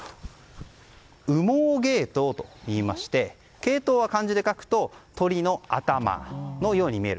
羽毛ゲイトウと言いましてケイトウは漢字で書くと鶏の頭のように見える。